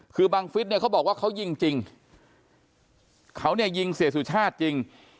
คือบังฟิศเนี่ยเขาบอกว่าเขายิงจริงเขาเนี่ยยิงเสียสุชาติจริง